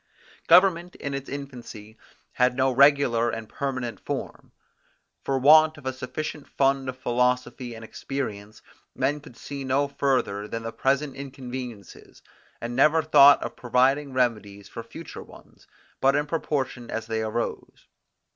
Government in its infancy had no regular and permanent form. For want of a sufficient fund of philosophy and experience, men could see no further than the present inconveniences, and never thought of providing remedies for future ones, but in proportion as they arose.